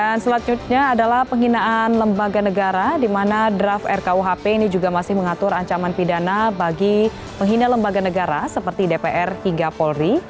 dan selanjutnya adalah penghinaan lembaga negara di mana draft rkuhp ini juga masih mengatur ancaman pidana bagi penghina lembaga negara seperti dpr hingga polri